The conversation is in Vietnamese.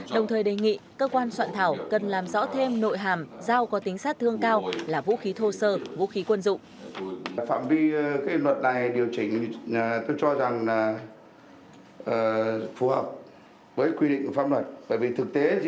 đồng thời đề nghị cơ quan soạn thảo cần làm rõ thêm nội hàm dao có tính sát thương cao là vũ khí thô sơ vũ khí quân dụng